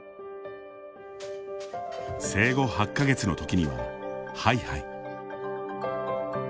生後８か月のときには、ハイハイ。